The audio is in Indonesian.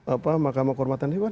apa makamah kehormatan dewan